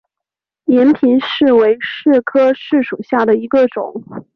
延平柿为柿科柿属下的一个种。